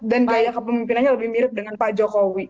dan gaya kepemimpinannya lebih mirip dengan pak jokowi